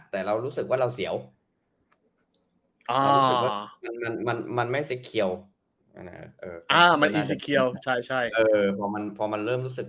แต่เรารู้สึกว่าเราเสียวอ่ามันมันไม่สิเกียวอ่ามันสิเกียวใช่ใช่พอมันพอมันเริ่มรู้สึก